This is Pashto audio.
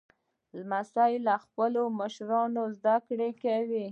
لمسی له خپلو مشرانو زدهکړه کوي.